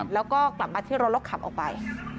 แล้วก็กลับมาที่รถแล้วขับออกไป